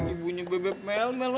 ibunya bebek melmel